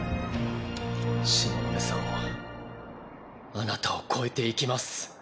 東雲さんをあなたを超えていきます。